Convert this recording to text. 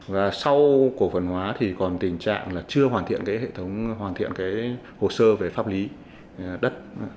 và sau cổ phần hóa còn tình trạng chưa hoàn thiện hồ sơ về pháp lý đất